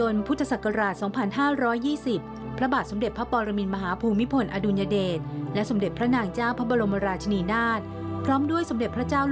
ทุกที่อาจจะติดตามพารายศาสนภาคสินวิทยาลา